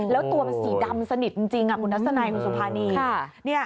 แล้วตัวมันสีดำสนิทจริงคุณทัศนัยคุณสุภานี